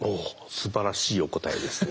すばらしいお答えですね。